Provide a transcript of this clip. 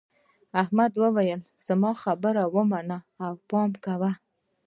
احمد وویل زما خبره ومنه او پام کوه.